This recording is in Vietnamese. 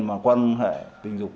mà quan hệ tình dục